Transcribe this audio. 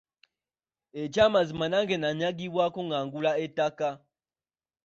Ekyamazima nange nanyagibwako nga ngula ettaka.